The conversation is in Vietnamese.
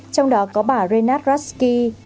trong đó có bà reynard ruski